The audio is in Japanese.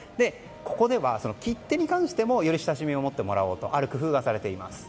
ここでは、切手に関してもより親しみを持ってもらおうとある工夫がされています。